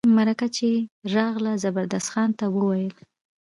مرکه چي راغله زبردست خان ته وویل.